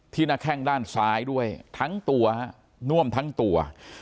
หน้าแข้งด้านซ้ายด้วยทั้งตัวฮะน่วมทั้งตัว